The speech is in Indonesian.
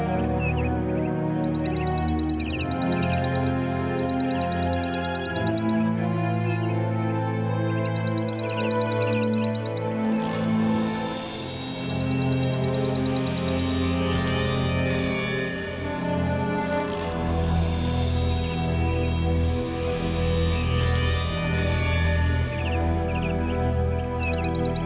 untuk memperbaiki keadaan yang baik